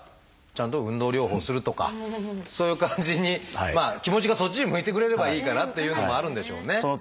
ちゃんと運動療法をするとかそういう感じにまあ気持ちがそっちに向いてくれればいいかなっていうのもあるんでしょうね。